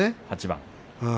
８番。